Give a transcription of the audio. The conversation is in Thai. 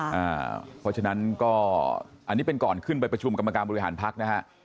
เพราะฉะนั้นก็อันนี้เป็นก่อนขึ้นไปประชุมกรรมการบริหารพักนะฮะ